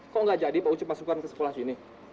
kok nggak jadi pak ucup masukkan ke sekolah sini